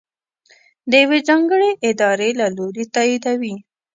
د یوې ځانګړې ادارې له لورې تائید وي.